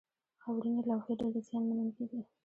خاورینې لوحې ډېرې زیان منونکې دي.